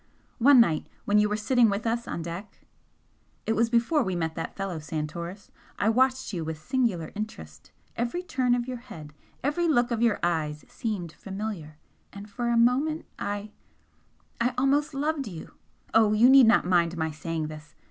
One night when you were sitting with us on deck it was before we met that fellow Santoris I watched you with singular interest every turn of your head, every look of your eyes seemed familiar and for a moment I I almost loved you! Oh, you need not mind my saying this!"